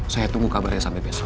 saya tunggu kabarnya sampai besok